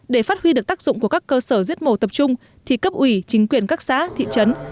để phát huy được tác dụng của các cơ sở giết mổ tập trung thì cấp ủy chính quyền các xã thị trấn